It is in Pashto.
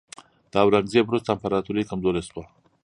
د اورنګزیب وروسته امپراتوري کمزورې شوه.